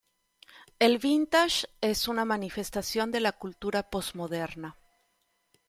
El vintage es una manifestación de la cultura posmoderna.